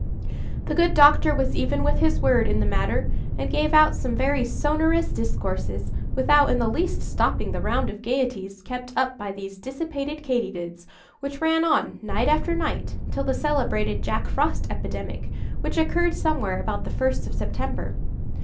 The good doctor was even with his word in the matter, and gave out some very sonorous discourses, without in the least stopping the round of gaieties kept up by these dissipated Katy dids, which ran on, night after night, till the celebrated Jack Frost epidemic, which occurred somewhere about the first of September.